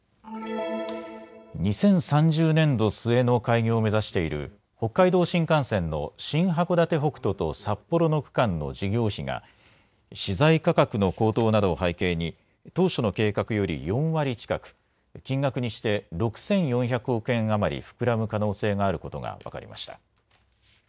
２０３０年度末の開業を目指している北海道新幹線の新函館北斗と札幌の区間の事業費が資材価格の高騰などを背景に当初の計画より４割近く、金額にして６４００億円余り膨らむ可能性があることが分かりました。